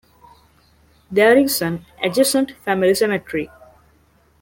There is an adjacent family cemetery.